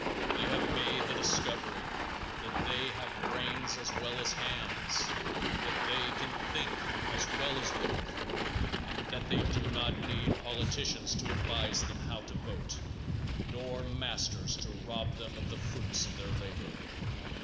They have made the discovery that they have brains as well as hands, that they can think as well as work, and that they do not need politicians to advise them how to vote, nor masters to rob them of the fruits of their labor.